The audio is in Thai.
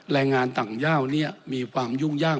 แรงงานต่างด้าวมีความยุ่งยาก